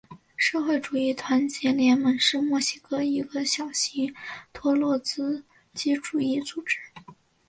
社会主义团结联盟是墨西哥的一个小型托洛茨基主义组织。